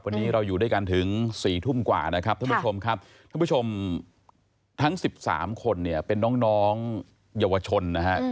วันนี้เราอยู่ด้วยกันถึง๔ทุ่มกว่านะครับท่านผู้ชมครับท่านผู้ชมทั้ง๑๓คนเนี่ยเป็นน้องเยาวชนนะฮะ